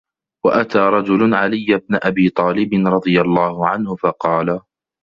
وَأَتَى رَجُلٌ عَلِيَّ بْنَ أَبِي طَالِبٍ رَضِيَ اللَّهُ عَنْهُ فَقَالَ